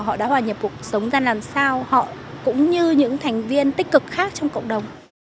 họ đã vào nhiệm vụ sống ra làm sao họ cũng như những thành viên tích cực khác trong cộng đồng